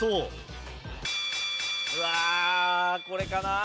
うわこれかなあ？